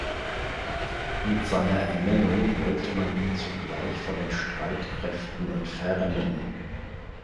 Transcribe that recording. Mit seiner Ernennung wollte man ihn zugleich von den Streitkräften entfernen.